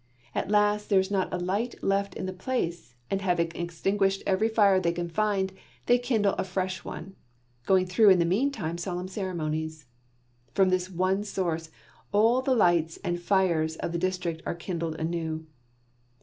At last there is not a light left in the place, and having extinguished every fire they can find, they kindle a fresh one, going through in the meantime solemn ceremonies. From this one source, all the fires and lights in the district are kindled anew.